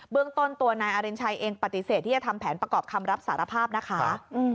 เรื่องต้นตัวนายอรินชัยเองปฏิเสธที่จะทำแผนประกอบคำรับสารภาพนะคะ